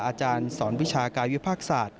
อาจารย์สอนวิชากายวิภาคศาสตร์